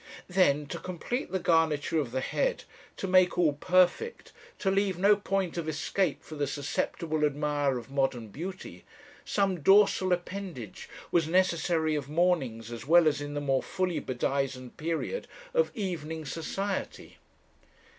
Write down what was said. Then to complete the garniture of the head, to make all perfect, to leave no point of escape for the susceptible admirer of modern beauty, some dorsal appendage was necessary of mornings as well as in the more fully bedizened period of evening society.